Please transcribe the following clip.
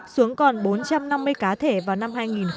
xuống còn bốn trăm năm mươi cá thể vào năm hai nghìn một mươi bảy